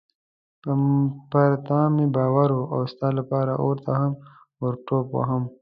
پر تا مې باور و او ستا لپاره اور ته هم ورټوپ وهم.